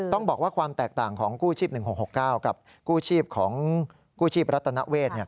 ต้องบอกว่าความแตกต่างของกู้ชีพ๑๖๖๙กับกู้ชีพของกู้ชีพรัตนเวศ